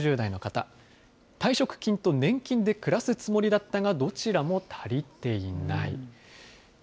新潟６０代の方、退職金と年金で暮らすつもりだったが、どちらも足りていない。